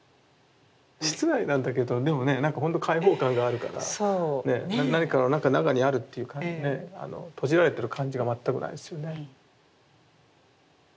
室内なんだけどでもねなんかほんと開放感があるから何かのなんか中にあるっていうかね閉じられてる感じが全くないですよね。